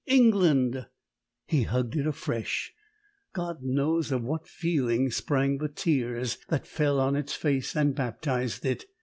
"England!" He hugged it afresh. God knows of what feeling sprang the tears that fell on its face and baptized it.